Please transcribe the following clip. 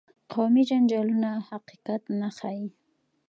قومي جنجالونه حقیقت نه ښيي.